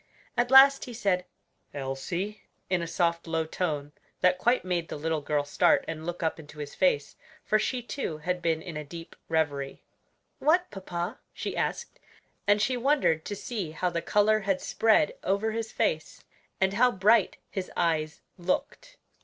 At last he said, "Elsie!" in a soft, low tone that quite made the little girl start and look up into his face; for she, too, had been in a deep reverie. "What, papa?" she asked, and she wondered to see how the color had spread over his face, and how bright his eyes looked.